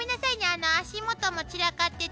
あの足元も散らかってて。